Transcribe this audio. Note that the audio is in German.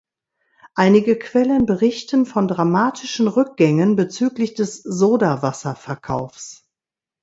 Einige Quellen berichten von dramatischen Rückgängen bezüglich des Sodawasser-Verkaufs.